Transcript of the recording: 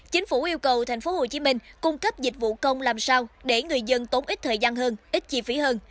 chính phủ yêu cầu tp hcm cung cấp dịch vụ công làm sao để người dân tốn ít thời gian hơn ít chi phí hơn